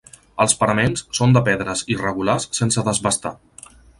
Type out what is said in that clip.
Els paraments són de pedres irregulars sense desbastar.